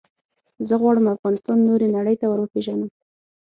زه غواړم افغانستان نورې نړی ته وروپېژنم.